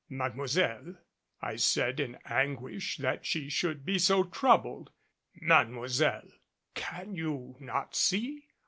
"Mademoiselle," I said, in anguish that she should be so troubled, "Mademoiselle! Can you not see?